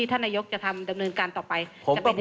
สถานการณ์จะไม่ไปจนถึงขั้นนั้นครับ